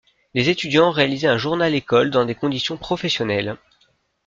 Les étudiants réalisaient un journal-école dans des conditions professionnelles.